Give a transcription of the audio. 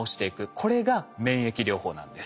これが免疫療法なんです。